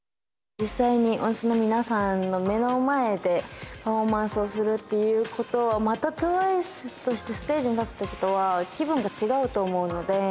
実際にＯＮＣＥの皆さんの目の前でパフォーマンスをするっていうことはまたＴＷＩＣＥとしてステージに立つときとは気分が違うと思うので。